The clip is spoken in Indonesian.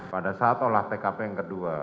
pada saat olah tkp yang kedua